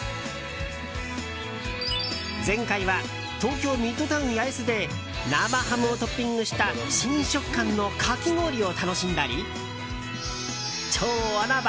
前回は東京ミッドタウン八重洲で生ハムをトッピングした新食感のかき氷を楽しんだり超穴場！